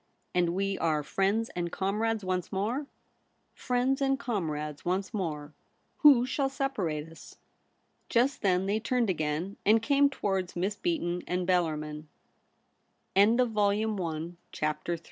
* And we are friends and comrades once more ?'* Friends and comrades once more. Who shall separate us ?' Just then they turned again, and came towards Miss Beaton and Bellarmin.